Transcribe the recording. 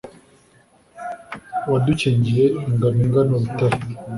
Wadukingiye ingabo ingana urutare,